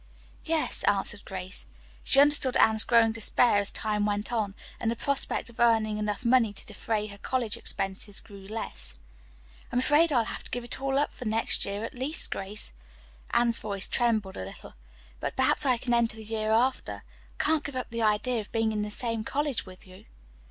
"Yes," answered Grace. She understood Anne's growing despair as time went on, and the prospect of earning enough money to defray her college expenses grew less. "I'm afraid I'll have to give it all up for next year at least, Grace," Anne's voice trembled a little. "But perhaps I can enter the year after. I can't give up the idea of being in the same college with you."